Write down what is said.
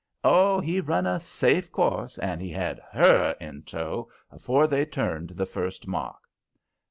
Oh, he run a safe course, and he had HER in tow afore they turned the first mark.